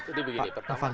jadi begini pak